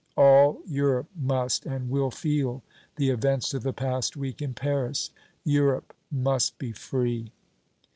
All Europe must and will feel the events of the past week in Paris. Europe must be free!"